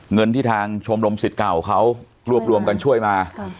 เงินที่ทางชมรมสิทธิ์เก่าเขารวบรวมกันช่วยมา